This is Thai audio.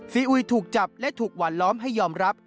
อุยถูกจับและถูกหวานล้อมให้ยอมรับ